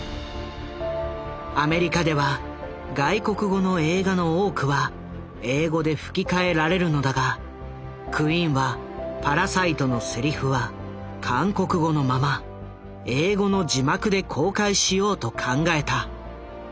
アメリカでは外国語の映画の多くは英語で吹き替えられるのだがクインは「パラサイト」のせりふは韓国語のまま英語の字幕で公開しようと考えた。